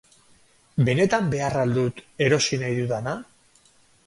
Benetan behar al dut erosi nahi dudana?